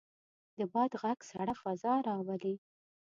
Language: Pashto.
د باد غږ سړه فضا راولي.